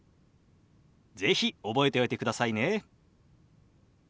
是非覚えておいてくださいね。